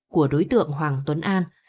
của đối tượng hoàng tuấn an